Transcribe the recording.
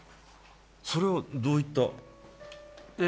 それは、どういった？